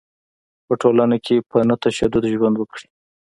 په ټولنه کې په نه تشدد ژوند وکړي.